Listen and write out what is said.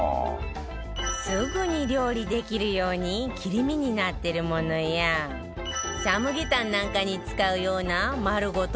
すぐに料理できるように切り身になってるものやサムゲタンなんかに使うような丸ごと